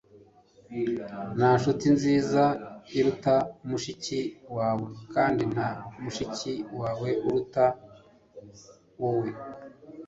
nta nshuti nziza iruta mushiki wawe. kandi nta mushiki wawe uruta wowe